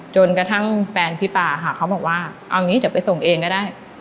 จนกระทั่งแฟนพี่ป๊าเขาบอกว่าเอางี้จะไปส่งเองก็ได้